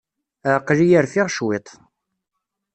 Ah, aql-iyi rfiɣ cwiṭ!